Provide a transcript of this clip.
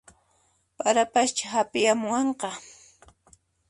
Parapaschá apiyamuwanqa